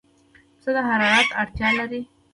پسه د حرارت اړتیا لري.